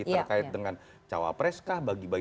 terkait dengan cawapres kah bagi bagi